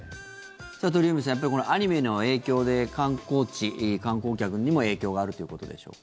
さあ、鳥海さんアニメの影響で観光地、観光客にも影響があるということでしょうか。